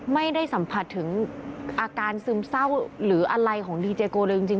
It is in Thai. ไม่ได้สัมผัสถึงอาการซึมเศร้าหรืออะไรของดีเจโกเลยจริง